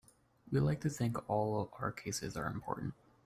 We like to think all our cases are important.